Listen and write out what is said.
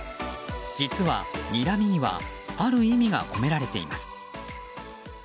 実は、にらみにはある意味が込められています。